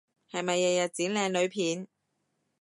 係咪日日剪靚女片？